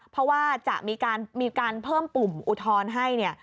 เพราะว่าจะมีการเพิ่มปุ่มอุทรให้